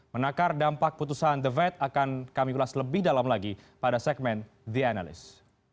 menakar dampak putusan the fed akan kami ulas lebih dalam lagi pada segmen the analyst